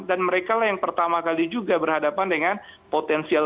dan mereka yang pertama kali juga berhadapan dengan potensial